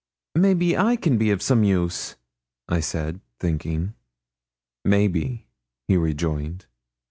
'Maybe I can be of some use?' I said, thinking. 'Maybe,' he rejoined.